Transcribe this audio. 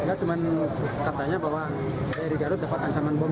enggak cuma katanya bapak dari garut dapat ancaman bom